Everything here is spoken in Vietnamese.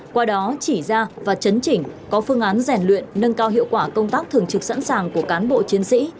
qua đó chỉ ra và chấn chỉnh có phương án rèn luyện nâng cao hiệu quả công tác thường trực sẵn sàng của cán bộ chiến sĩ